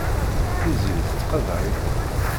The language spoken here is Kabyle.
Tiziri tettqadar-iken.